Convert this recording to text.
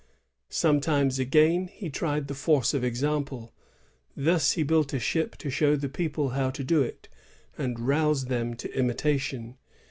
Sometimes, again, he tried the force of example. Thus he built a ship to show the people how to do it, and rouse them to imitation.